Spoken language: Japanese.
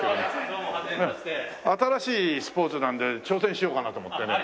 新しいスポーツなんで挑戦しようかなと思ってね。